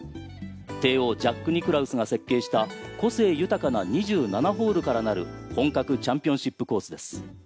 帝王ジャック・ニクラウスが設計した個性豊かな２７ホールからなる本格チャンピオンシップコースです。